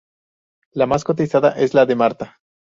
La más cotizada es la de marta.